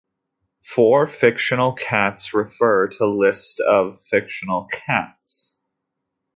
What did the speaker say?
For fictional cats refer to List of fictional cats.